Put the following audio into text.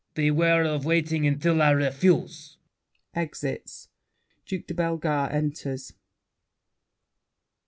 Beware of waiting until I refuse! [Exits. Duke de Bellegarde enters.